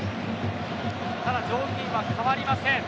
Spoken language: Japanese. ただ条件は変わりません。